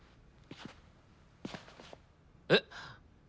えっ！